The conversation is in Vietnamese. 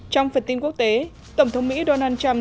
trong phần tin quốc tế tổng thống mỹ donald trump